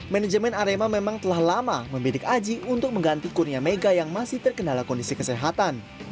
manajemen arema memang telah lama membidik aji untuk mengganti kurnia mega yang masih terkendala kondisi kesehatan